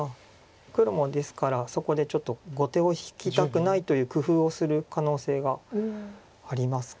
黒もですからそこでちょっと後手を引きたくないという工夫をする可能性がありますか。